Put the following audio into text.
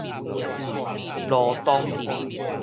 羅東鎮